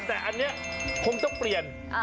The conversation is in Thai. มอลำคลายเสียงมาแล้วมอลำคลายเสียงมาแล้ว